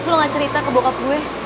lu gak cerita ke bokap gue